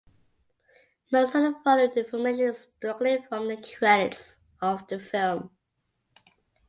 Most of the following information is directly from the credits of the film.